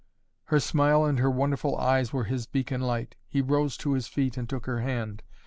Her smile and her wonderful eyes were his beacon light. He rose to his feet and took her hand.